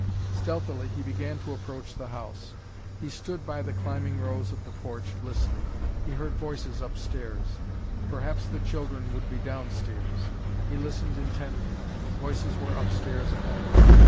Stealthily he began to approach the house. He stood by the climbing rose of the porch, listening. He heard voices upstairs. Perhaps the children would be downstairs. He listened intently. Voices were upstairs only.